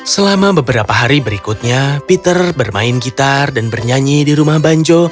selama beberapa hari berikutnya peter bermain gitar dan bernyanyi di rumah banjo